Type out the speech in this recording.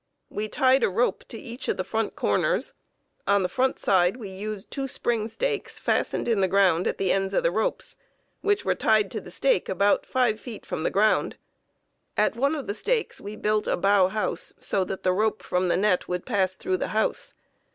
We tied a rope to each of the front corners. On the front side we used two spring stakes fastened in the ground at the ends of the ropes, which were tied to the stake about five feet from the ground. At one of the stakes we built a bough house so that the rope from the net would pass through the house.